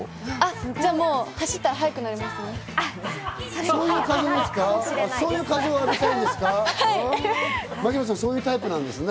じゃあもう、走ったら速くなれますね。